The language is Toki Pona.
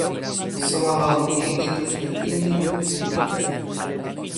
sona lon ni li toki e pini pi pilin ike.